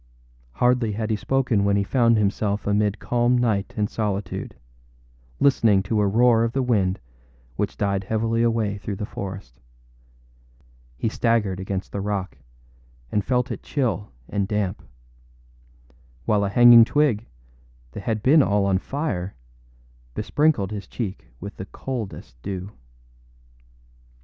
Hardly had he spoken when he found himself amid calm night and solitude, listening to a roar of the wind which died heavily away through the forest. He staggered against the rock, and felt it chill and damp; while a hanging twig, that had been all on fire, besprinkled his cheek with the coldest dew.